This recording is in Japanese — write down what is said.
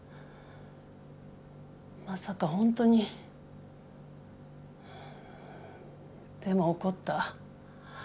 まさか本当にでも起こった。